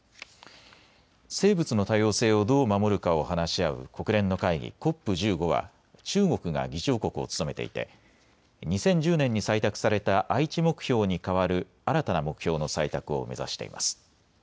生物の多様性をどう守るかを話し合う国連の会議、ＣＯＰ１５は中国が議長国を務めていて２０１０年に採択された愛知目標に代わる新たな目標の採択を目指しています。